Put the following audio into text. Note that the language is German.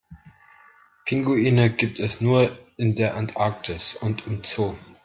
Pinguine gibt es nur in der Antarktis und im Zoo.